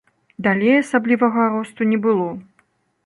Далей асаблівага росту не было.